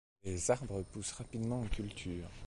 Les arbres poussent rapidement en culture.